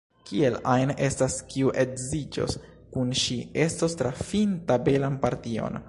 Kiel ajn estas, kiu edziĝos kun ŝi, estos trafinta belan partion.